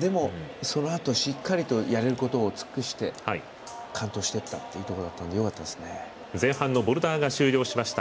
でも、そのあとしっかりやれることを尽くして完登していったというところだったのでよかったですね、前半のボルダーが終了しました。